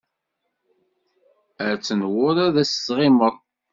Ad tenwuḍ ad as-d-sɣimeɣ.